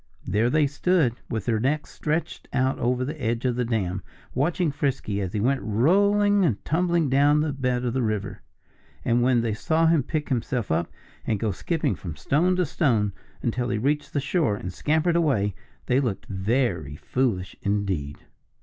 There they stood, with their necks stretched out over the edge of the dam, watching Frisky as he went rolling and tumbling down to the bed of the river. And when they saw him pick himself up and go skipping from stone to stone until he reached the shore and scampered away, they looked very foolish indeed.